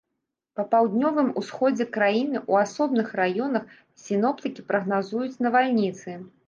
Па паўднёвым усходзе краіны ў асобных раёнах сіноптыкі прагназуюць навальніцы.